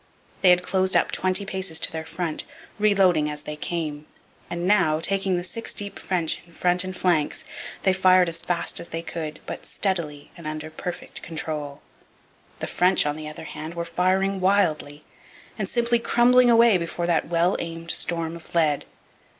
They had closed up twenty paces to their front, reloading as they came. And now, taking the six deep French in front and flanks, they fired as fast as they could, but steadily and under perfect control. The French, on the other hand, were firing wildly, and simply crumbling away before that well aimed storm of lead.